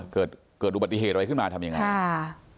เกิดอุบัติเหตุอะไรขึ้นมาทำอย่างไร